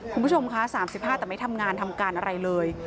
คุณผู้ชมคะ๓๕แต่ไม่ทำงานทำการอะไรเลย